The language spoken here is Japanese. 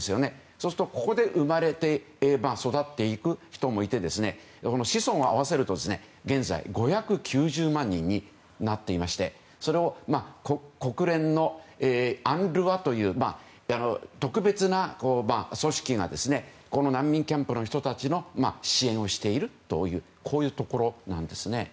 そうすると、ここで生まれて育っていく人もいて子孫を合わせると現在５９０万人になっていまして国連のＵＮＲＷＡという特別な組織が難民キャンプの人たちの支援をしているというところなんですね。